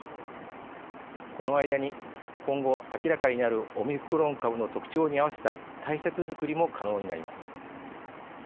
この間に今後明らかになるオミクロン株の特徴に合わせた対策づくりも可能になります。